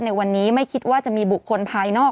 ในวันนี้ไม่คิดว่าจะมีบุคคลภายนอก